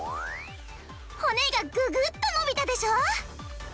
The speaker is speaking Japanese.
骨がググッとのびたでしょ！